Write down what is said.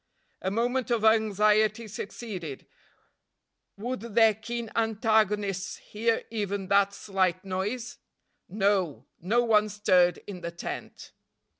A moment of anxiety succeeded; would their keen antagonists hear even that slight noise? No! no one stirred in the tent.